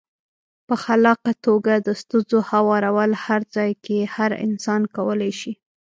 په خلاقه توګه د ستونزو هوارول هر ځای کې هر انسان کولای شي.